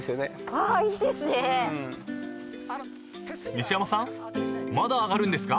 ［西山さんまだ上がるんですか？］